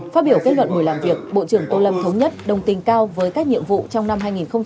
phát biểu kết luận buổi làm việc bộ trưởng tô lâm thống nhất đồng tình cao với các nhiệm vụ trong năm hai nghìn hai mươi